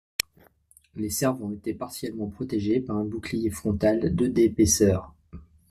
Les servants étaient partiellement protégés par un bouclier frontal de d'épaisseur.